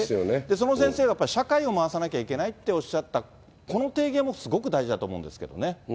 その先生がやっぱり社会を回さなきゃいけないっておっしゃった、この提言はすごく大事だと思うんですけどね。